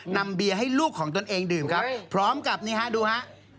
นำเบียร์ให้ลูกของตนเองดื่มครับพร้อมกับนี่ฮะดูฮะ